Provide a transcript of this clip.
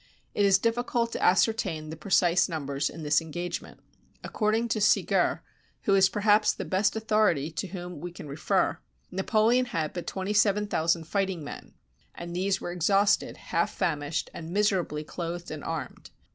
It is difficult to ascertain the precise numbers in this engagement. According to Segur, who is perhaps the best authority to whom we can refer, 129 RUSSIA Napoleon had but twenty seven thousand fighting men, and these were exhausted, half famished, and miserably clothed and armed.